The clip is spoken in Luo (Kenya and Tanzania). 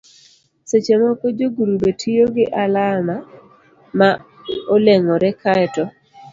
seche moko jogrube tiyo gi alama ma olengore kae to